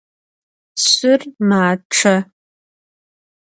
Şşır maççe.